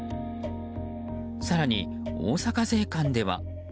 更に大阪税関では。